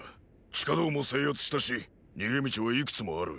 地下道も制圧したし逃げ路はいくつもある。